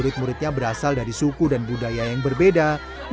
hanya belajar dengan satu agama